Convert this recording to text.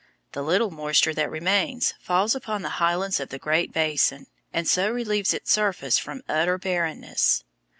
The little moisture that remains falls upon the highlands of the Great Basin, and so relieves its surface from utter barrenness.